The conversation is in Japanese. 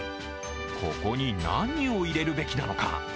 ここに何を入れるべきなのか。